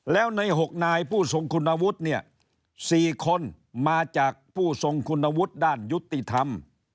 แล้วใน๖นายผู้ทรงคุณวุฒิเนี่ย๔คนมาจากผู้ทรงคุณวุฒิด้านยุติธรรม